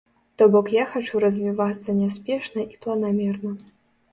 То бок я хачу развівацца няспешна і планамерна.